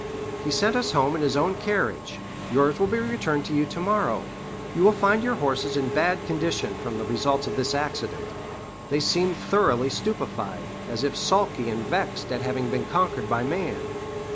He sent us home in his own carriage. Yours will be returned to you tomorrow. You will find your horses in bad condition, from the results of this accident; they seem thoroughly stupefied, as if sulky and vexed at having been conquered by man.